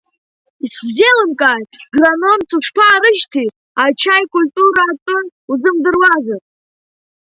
Исзеилымкааит, грономс ушԥаарышьҭи, ачаи культура атәы узымдыруазар?